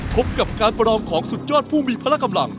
พบกับการประลองของสุดยอดผู้มีพละกำลัง